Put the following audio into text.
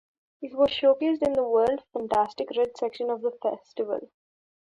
It was showcased in the World Fantastic Red section of the festival.